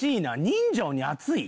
人情に厚い？